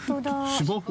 芝生。